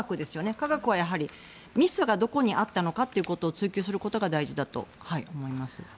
科学はミスがどこにあったのかということを追及することが大事だと思います。